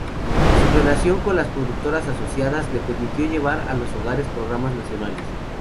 Su relación con las productoras asociadas le permitió llevar a los hogares programas nacionales.